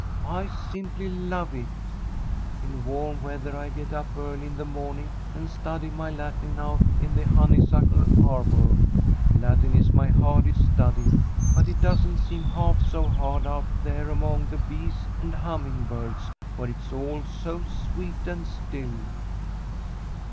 I simply love it. In warm weather I get up early in the morning, and study my Latin out in the honeysuckle arbour. Latin is my hardest study, but it doesn't seem half so hard out there among the bees and hummingbirds, where it's all so sweet and still."